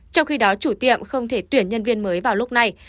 trong khi đó chủ tiệm không thể tuyển nhân viên mới vào lúc này